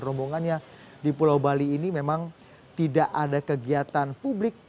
rombongannya di pulau bali ini memang tidak ada kegiatan publik